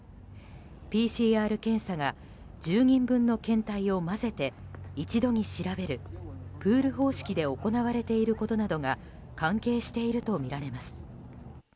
ＰＣＲ検査が１０人分の検体を混ぜて一度に調べるプール方式で行われていることなどが関係しているとみられます。